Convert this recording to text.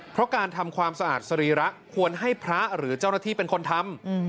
เพราะการทำความสะอาดสรีระควรให้พระหรือเจ้าหน้าที่เป็นคนทำ